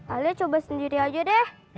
alia coba sendiri aja deh